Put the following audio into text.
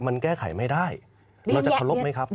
มันแก้ไขไม่ได้เราจะเคารพไหมครับ